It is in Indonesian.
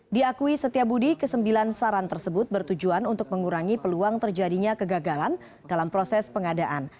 diakui setia budi ke sembilan saran tersebut bertujuan untuk mengurangi peluang terjadinya kegagalan dalam proses pengadaan